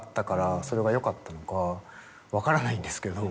分からないんですけど。